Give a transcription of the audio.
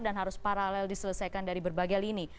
dan harus paralel diselesaikan dari berbagai lini